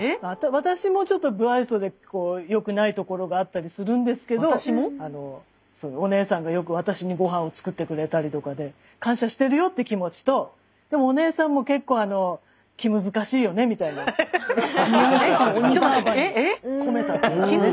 私もちょっとブあいそでよくないところがあったりするんですけどお姉さんがよく私にごはんを作ってくれたりとかで感謝してるよって気持ちとでもお姉さんも結構気難しいよねみたいなニュアンスを「おにばーば」に込めたというね。